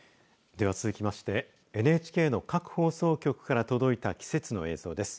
では続きましてＮＨＫの各放送局から届いた季節の映像です。